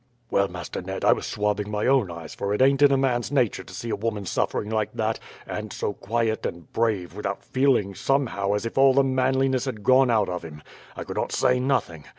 "Well, Master Ned, I was swabbing my own eyes; for it ain't in a man's nature to see a woman suffering like that, and so quiet and brave, without feeling somehow as if all the manliness had gone out of him. I could not say nothing.